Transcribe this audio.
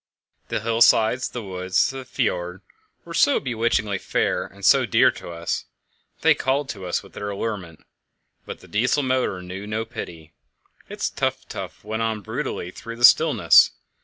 The hillsides, the woods, the fjord all were so bewitchingly fair and so dear to us. They called to us with their allurement, but the Diesel motor knew no pity. Its tuff tuff went on brutally through the stillness.